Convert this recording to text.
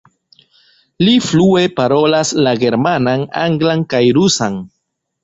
Li flue parolas la germanan, anglan kaj rusan.